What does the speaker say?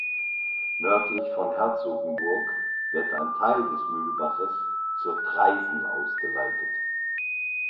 Nördlich von Herzogenburg wird ein Teil des Mühlbaches zur Traisen ausgeleitet.